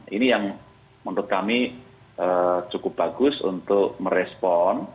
ini yang menurut kami cukup bagus untuk merespon